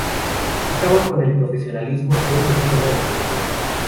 Luchaban con el profesionalismo dentro y fuera del campo.